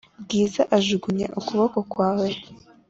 bwiza ajugunya ukuboko kwawe